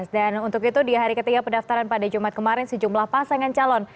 untuk itu di hari ketiga pendaftaran pada jumat kemarin sejumlah pasangan calon